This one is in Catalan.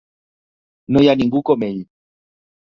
No hi ha ningú com ell.